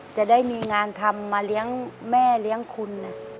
จะได้มีงานทำมาเลี้ยงแม่เลี้ยงคุณ